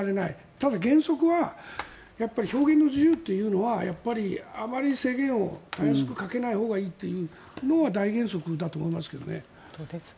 ただ、原則は表現の自由というのはあまり制限をたやすくかけないほうがいいというのは大原則だと思いますけどね。